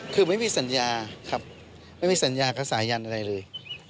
คือไม่มีสัญญาครับไม่มีสัญญากับสายันอะไรเลย